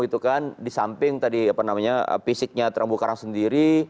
itu kan di samping tadi apa namanya fisiknya terumbu karang sendiri